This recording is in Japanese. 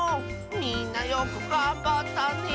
みんなよくがんばったね。